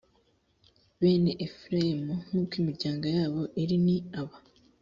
bene efurayimu nk’uko imiryango yabo iri ni aba: